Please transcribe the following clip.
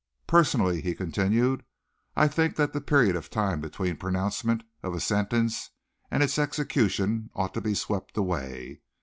Personally," he continued, "I think that the period of time between the pronouncement of a sentence and its execution ought to be swept away.